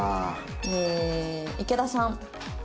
ええー池田さん。